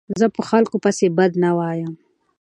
زه په خلکو پيسي بد نه وایم.